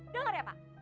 dengar ya pak